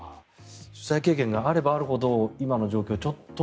取材経験があればあるほど今の状況はちょっと。